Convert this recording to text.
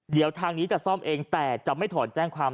เดี๋ยวทางนี้จะซ่อมเองแต่จะไม่ถอนแจ้งความ